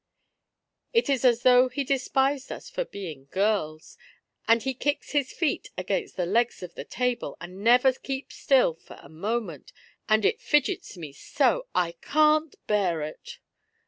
It is as though he despised us for being girls; and he kicks his feet against the legs of the table, and never keeps still for a moment, and it fidgets me so — I can't bear it